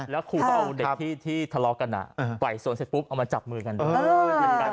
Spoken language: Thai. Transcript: แล้วครูเขาเอาเด็กที่ทะเลาะกันปล่อยสวนเสร็จปุ๊บเอามาจับมือกัน